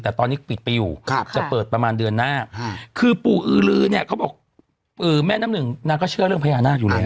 แต่ตอนนี้ปิดไปอยู่จะเปิดประมาณเดือนหน้าคือปู่อือลือเนี่ยเขาบอกแม่น้ำหนึ่งนางก็เชื่อเรื่องพญานาคอยู่แล้ว